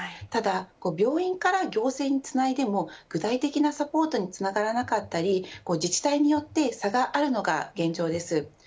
ただ病院から行政につないでも具体的なサポートにつながらなかったり自治体によって差があるのが現状です。